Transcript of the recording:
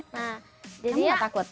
kamu gak takut